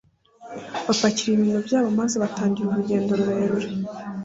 bapakira ibintu byabo maze batangira urugendo rurerure